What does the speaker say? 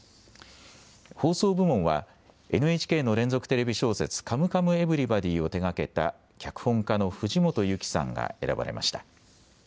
放送部門はＮＨＫの連続テレビ小説、カムカムエヴリバディを手がけた脚本家の藤本有紀さんが選ばれました。